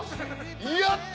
やった！